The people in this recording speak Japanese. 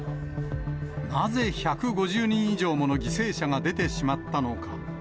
なぜ１５０人以上もの犠牲者が出てしまったのか。